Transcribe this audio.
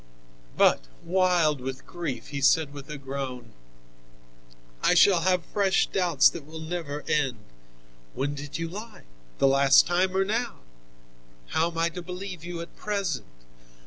But, wild with grief, he said with a groan: "I shall have fresh doubts that will never end! When did you lie, the last time or now? How am I to believe you at present?